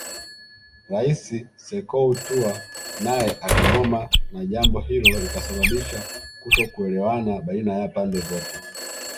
Rais Sekou Toure naye akagoma na jambo hilo likasababisha kutokuelewana baina ya pande zote